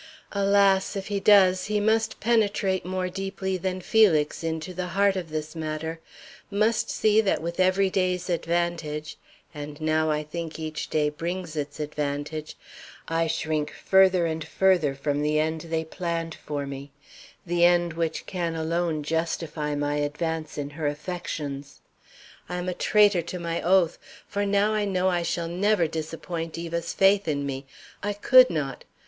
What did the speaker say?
Alas! if he does, he must penetrate more deeply than Felix into the heart of this matter; must see that with every day's advantage and I now think each day brings its advantage I shrink further and further from the end they planned for me; the end which can alone justify my advance in her affections. I am a traitor to my oath, for I now know I shall never disappoint Eva's faith in me. I could not.